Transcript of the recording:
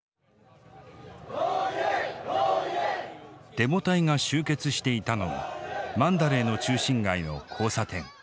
デモ隊が集結していたのはマンダレーの中心街の交差点。